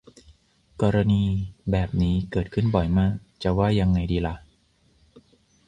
กรณีแบบนี้เกิดขึ้นบ่อยมาก จะว่ายังไงดีหล่ะ